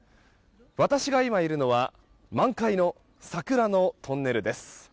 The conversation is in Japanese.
私が今いるのは満開の桜のトンネルです。